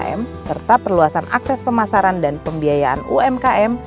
kemudian membuat perusahaan yang lebih mudah untuk mencapai keuntungan